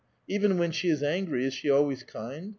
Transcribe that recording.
even when she is angry is she always kind